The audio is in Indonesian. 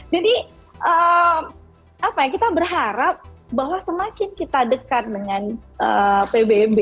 jadi apa ya kita berharap bahwa semakin kita dekat dengan pbb